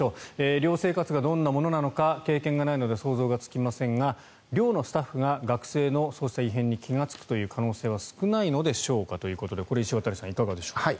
寮生活がどんなものなのか経験がないので想像がつきませんが寮のスタッフが学生のそうした異変に気がつくという可能性は少ないのでしょうかということでこれ、石渡さんいかがでしょうか。